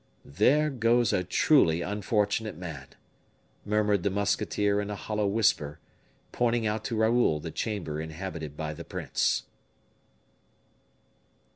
"There goes a truly unfortunate man!" murmured the musketeer in a hollow whisper, pointing out to Raoul the chamber inhabited by the prince.